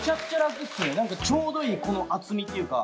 ちょうどいいこの厚みっていうか。